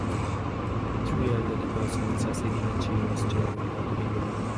Three elderly persons are sitting in chairs staring out the window.